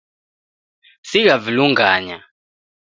Sigha vilunganya.